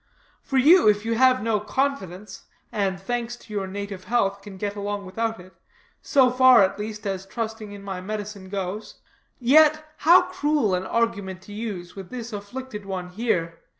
For you, if you have no confidence, and, thanks to your native health, can get along without it, so far, at least, as trusting in my medicine goes; yet, how cruel an argument to use, with this afflicted one here.